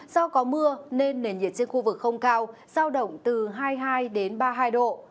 do có mưa nên nền nhiệt trên khu vực không cao sao động từ hai mươi hai ba mươi hai độ